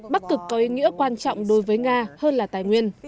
bắc cực có ý nghĩa quan trọng đối với nga hơn là tài nguyên